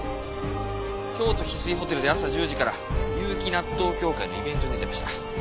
京都ヒスイホテルで朝１０時から有機納豆協会のイベントに出てました。